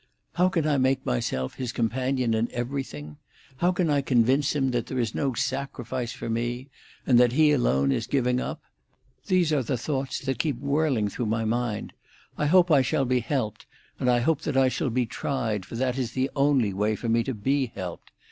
"How can I make myself his companion in everything? How can I convince him that there is no sacrifice for me, and that he alone is giving up? These are the thoughts that keep whirling through my mind. I hope I shall be helped, and I hope that I shall be tried, for that is the only way for me to be helped.